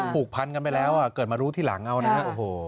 ปลูกพันธ์กันไปแล้วเกิดมารู้ทีหลังเอานะ